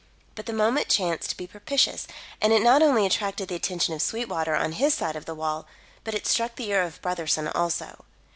But the moment chanced to be propitious, and it not only attracted the attention of Sweetwater on his side of the wall, but it struck the ear of Brotherson also.